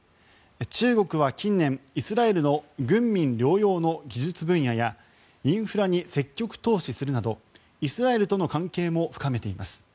中国は近年、イスラエルの軍民両用の技術分野やインフラに積極投資するなどイスラエルとの関係も深めています。